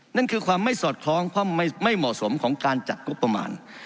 นั่นคือความไม่สอดคล้องความไม่เหมาะสมของการจัดงบประมาณ